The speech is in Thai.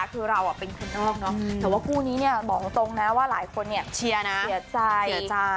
คือเราเป็นคนนอกเนอะแต่ว่าคู่นี้เนี่ยบอกตรงนะว่าหลายคนเนี่ยเชียร์นะเสียใจเสียใจ